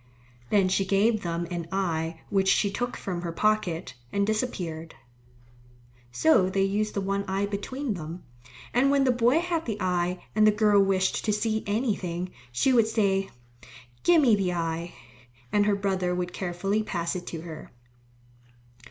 Then she gave them an eye which she took from her pocket, and disappeared. So they used the one eye between them, and when the boy had the eye and the girl wished to see anything, she would say, "Give me the eye," and her brother would carefully pass it to her.